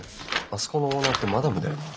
あそこのオーナーってマダムだよな。